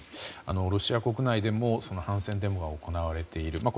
ロシア国内でも反戦デモが行われている。